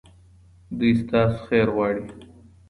دوی ستاسو خیر غواړي.